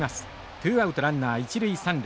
ツーアウトランナー一塁三塁。